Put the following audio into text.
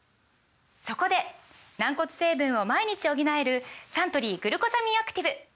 そこで軟骨成分を毎日補えるサントリー「グルコサミンアクティブ」！